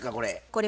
これ。